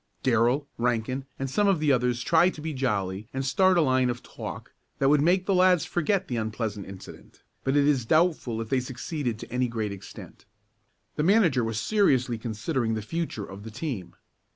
Darrell, Rankin and some of the others tried to be jolly and start a line of talk that would make the lads forget the unpleasant incident, but it is doubtful if they succeeded to any great extent. The manager was seriously considering the future of the team.